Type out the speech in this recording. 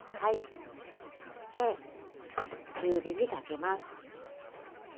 そして中火にかけます。